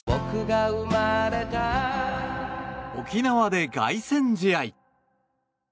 沖縄で凱旋試合。